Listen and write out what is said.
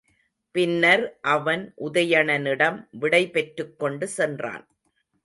பின்னர் அவன் உதயணனிடம் விடை பெற்றுக் கொண்டு சென்றான்.